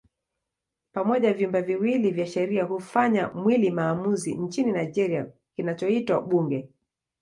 Pamoja vyumba viwili vya sheria hufanya mwili maamuzi nchini Nigeria kinachoitwa Bunge.